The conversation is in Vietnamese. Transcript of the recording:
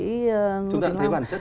cô trí long chúng ta thấy bản chất